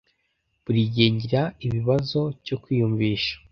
Buri gihe ngira ikibazo cyo kwiyumvisha.